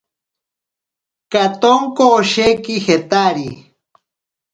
Katonko osheki jetari.